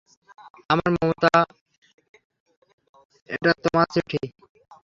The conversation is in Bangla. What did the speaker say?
আর মমতা এটা তোমার চিঠি।